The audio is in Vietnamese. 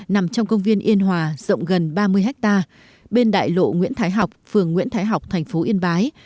nằm trong công viên yên hòa rộng gần ba mươi hectare bên đại lộ nguyễn thái học phường nguyễn thái học thành phố yên bái